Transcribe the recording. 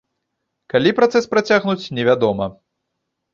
Калі працэс працягнуць, невядома.